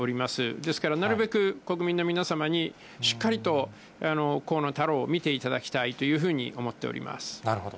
ですから、なるべく国民の皆様にしっかりと河野太郎を見ていただきたいといなるほど。